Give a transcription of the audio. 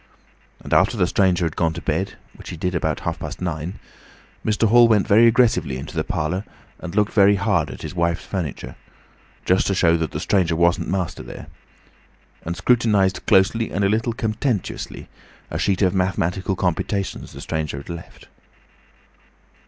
And after the stranger had gone to bed, which he did about half past nine, Mr. Hall went very aggressively into the parlour and looked very hard at his wife's furniture, just to show that the stranger wasn't master there, and scrutinised closely and a little contemptuously a sheet of mathematical computations the stranger had left.